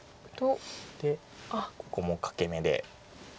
ここも欠け眼で。